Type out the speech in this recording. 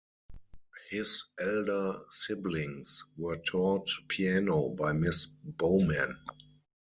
His elder siblings were taught piano by Miss Bowman.